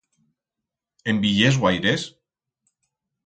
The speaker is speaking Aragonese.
En viyiés guaires?